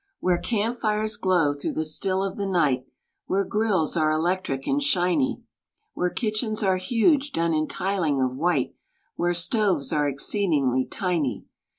Where camp fires glow through the still of the night. Where grills are electric and shiny, Where kitchens are huge, done in tiling of white. Where stoves are exceedingly tiny.